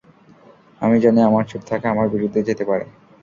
আমি জানি আমার চুপ থাকা আমার বিরুদ্ধে যেতে পারে।